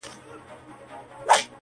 هره پاڼه يې غيرت دی -